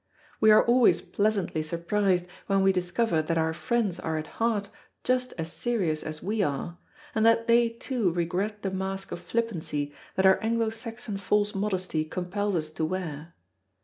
We are always pleasantly surprised when we discover that our friends are at heart just as serious as we are, and that they, too, regret the mask of flippancy that our Anglo Saxon false modesty compels us to wear.